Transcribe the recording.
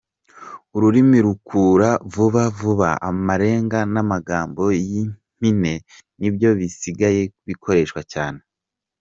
Ururimi rukura vuba vuba, amarenga n’amagambo y’impine nibyo bisigaye bikoreshwa cyane.